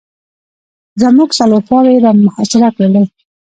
زموږ څلور خواوې یې را محاصره کړلې.